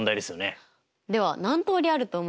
では何通りあると思いますか？